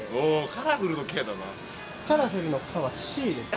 カラフルの「カ」は「Ｃ」です。